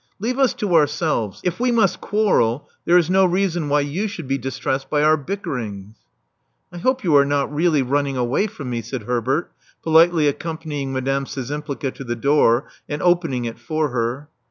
Leave us to ourselves: if we must quarrel, there is no reason why you should be distressed by our bickerings. 1 hope you are not really running away from me," said Herbert, politely accompanying Madame Szczym pli^a to the door, and opening it for her.